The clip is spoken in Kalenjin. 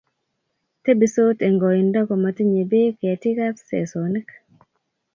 tebisot eng' koindo komatinyei beek ketikab sesonik